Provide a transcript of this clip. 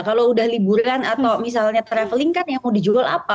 kalau udah liburan atau misalnya traveling kan yang mau dijual apa